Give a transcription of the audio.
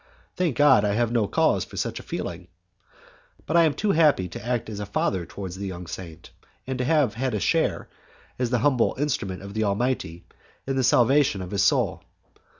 Thank God, I have no cause for such a feeling! I am but too happy to act as a father towards a young saint, and to have had a share, as the humble instrument of the Almighty, in the salvation of his soul.